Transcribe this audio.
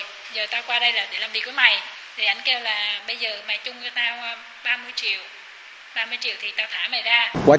giờ tao qua đây là để làm gì với mày